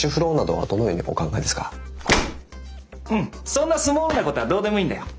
そんなスモールなことはどうでもいいんだよ。